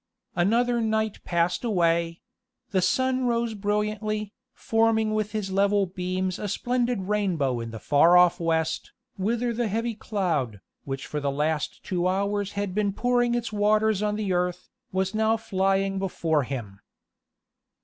Another night had passed away; the sun rose brilliantly, forming with his level beams a splendid rainbow in the far off west, whither the heavy cloud, which for the last two hours had been pouring its waters on the earth, was now flying before him.